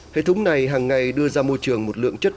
hệ thống này hàng ngày đưa ra môi trường một lượng chăn nuôi